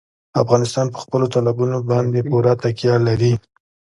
افغانستان په خپلو تالابونو باندې پوره تکیه لري.